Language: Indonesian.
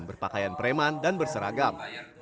berpakaian preman dan berseragam